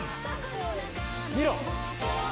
見ろ！